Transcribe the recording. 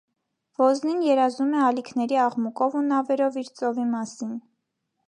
Ոզնին երազում է ալիքների աղմուկով ու նավերով իր ծովի մասին։